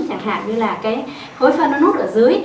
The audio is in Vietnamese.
chẳng hạn như là hối phân nó nút ở dưới